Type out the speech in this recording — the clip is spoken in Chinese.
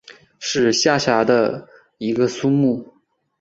是下辖的一个苏木。